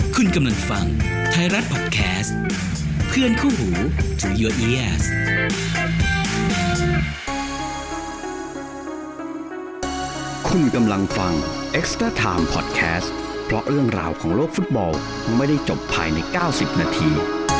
คุณกำลังฟังไทยรัฐพอดแคสต์เพื่อนคู่หูที่คุณกำลังฟังพอดแคสต์เพราะเรื่องราวของโลกฟุตบอลไม่ได้จบภายใน๙๐นาที